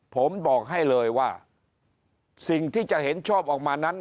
ผมบอกให้เลยว่าสิ่งที่จะเห็นชอบออกมานั้น